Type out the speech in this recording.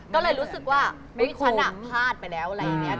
ก็เลยรู้สึกว่าฉันพลาดไปแล้วอะไรอย่างนี้